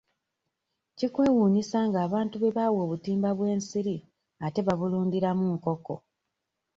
Kikwewuunyisa ng'abantu be baawa obutimba bw'ensiri ate babulundiramu nkoko.